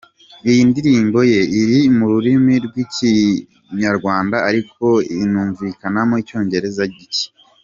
Iyi ndirimbo ye, iri mu rurimi rw’ikinyarwanda ariko inumvikanamo icyongereza gicye.